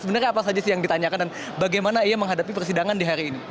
sebenarnya apa saja sih yang ditanyakan dan bagaimana ia menghadapi persidangan di hari ini